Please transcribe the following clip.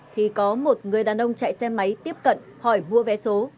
thì có một người đàn ông chạy xe máy tiếp cận hỏi mua vé số